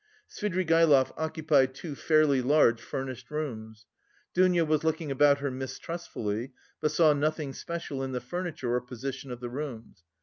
Svidrigaïlov occupied two fairly large furnished rooms. Dounia was looking about her mistrustfully, but saw nothing special in the furniture or position of the rooms.